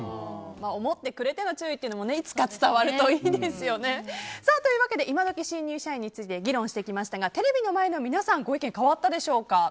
思ってくれての注意というのもいつか伝わるといいですよね。というわけでイマドキ新入社員について議論してきましたがテレビの前の皆さんご意見変わったでしょうか。